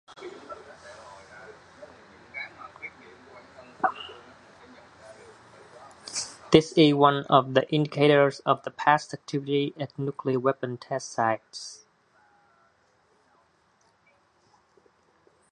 This is one of the indicators of past activity at nuclear weapon test sites.